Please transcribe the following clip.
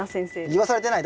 言わされてない？